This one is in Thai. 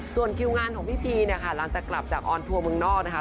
ส่วนคิวงานของพี่พีเนี่ยค่ะหลังจากกลับจากออนทัวร์เมืองนอกนะคะ